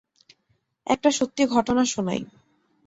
একটা সত্যি ঘটনা শোনাই।